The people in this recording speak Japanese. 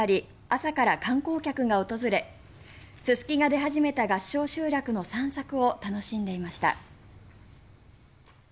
朝から観光客が訪れススキが出始めた合掌集落の散策を楽しんでいました。